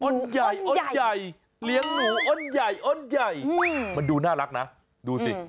ใหญ่อ้นใหญ่เลี้ยงหนูอ้นใหญ่อ้นใหญ่มันดูน่ารักนะดูสิ